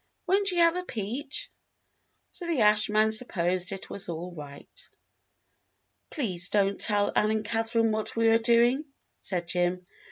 Won't you have a peach?" So the ash man supposed it was all right. "Please don't tell Ann and Catherine what we are doing," said Jim.